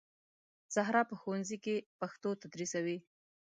زهرا په ښوونځي کې پښتو تدریسوي